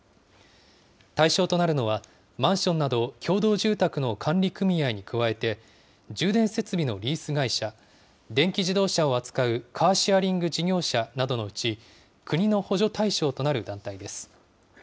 対象となるのは、マンションなど共同住宅の管理組合に加えて、充電設備のリース会社、電気自動車を扱うカーシェアリング事業者などのうち、国の補助対象となる団体です。